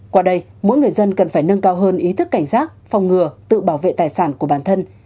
qua đây mỗi người dân cần phải nâng cao hơn ý thức cảnh giác phòng ngừa tự bảo vệ tài sản của bản thân